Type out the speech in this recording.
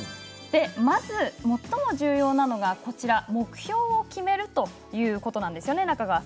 最も重要なのが目標を決めるということなんです。